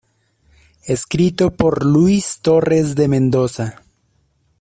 Escrito por Luis Torres de Mendoza.